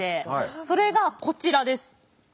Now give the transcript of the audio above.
それがこちらです。